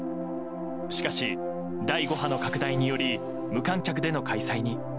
しかし、第５波の拡大により無観客での開催に。